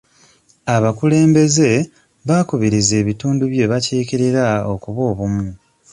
Abakulembeze baakubiriza ebitundu bye bakiikirira okuba obumu.